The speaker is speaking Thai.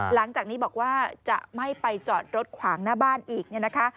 หลังจากนี้บอกว่าจะไม่ไปจอดรถขวางหน้าบ้านอีกเนี่ยนะคะ